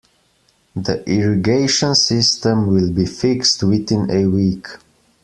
The irrigation system will be fixed within a week.